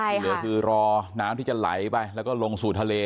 ที่เหลือคือรอน้ำที่จะไหลไปแล้วก็ลงสู่ทะเล